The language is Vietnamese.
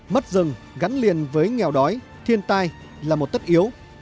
mất rừng gắn liền với nghèo đói thiên tai là một tất yếu